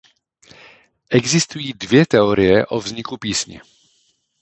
Existují dvě teorie o vzniku písně.